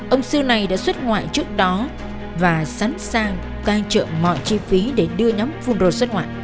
ông sư này đã xuất ngoại trước đó và sẵn sàng cai trượng mọi chi phí để đưa nhóm phun rô xuất ngoại